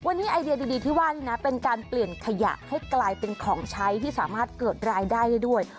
วันนี้ไอเดียดีที่ว่านี่นะเป็นการเปลี่ยนขยะให้กลายเป็นของใช้ที่สามารถเกิดรายได้ได้ด้วย